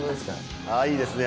ああいいですね。